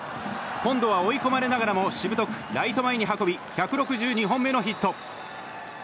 今度は追い込まれながらもしぶとくライト前に運び１６２本目のヒット。